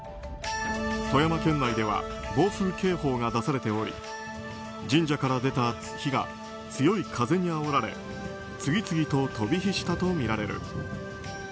富山県内では暴風警報が出されており神社から出た火が強い風にあおられ次々と飛び火したとみられる。